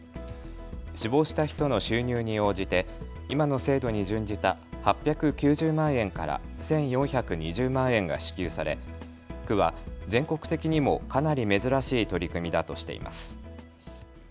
死亡した人の収入に応じて今の制度に準じた８９０万円から１４２０万円が支給され区は全国的にもかなり珍しい取り組みだとしています。